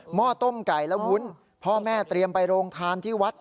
ห้อต้มไก่และวุ้นพ่อแม่เตรียมไปโรงทานที่วัด